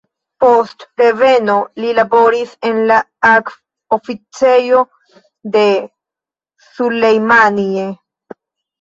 Post reveno, li laboris en la akv-oficejo de Sulejmanie.